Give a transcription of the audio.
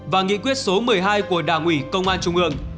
và nghị quyết số một mươi hai của đảng ủy công an trung ương